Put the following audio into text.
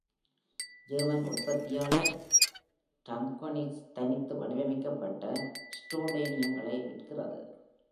German உற்பத்தியாளர் trautoniks, தனித்து வடிவமைக்கப்பட்ட ட்ரூடோனியங்களை விற்கின்றது.